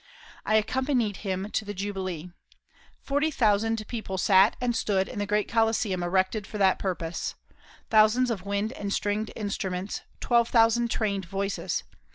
I accompanied him to the jubilee. Forty thousand people sat and stood in the great Colosseum erected for that purpose. Thousands of wind and stringed instruments; twelve thousand trained voices!